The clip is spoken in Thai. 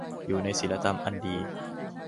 อยู่ในศีลธรรมอันดี